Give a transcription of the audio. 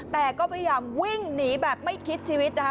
แต่ก็พยายามวิ่งหนีแบบไม่คิดชีวิตนะคะ